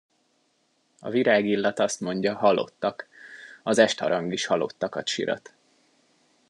A virágillat azt mondja, halottak, az estharang is halottakat sirat.